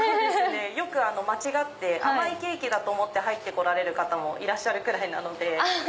よく間違って甘いケーキだと思って入って来られる方もいらっしゃるくらいなので。